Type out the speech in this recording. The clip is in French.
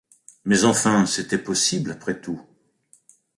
Mais enfin c’était possible, après tout!